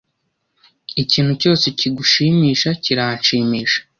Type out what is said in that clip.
Ikintu cyose kigushimisha kiranshimisha.